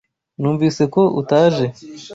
Numvise ko utaje.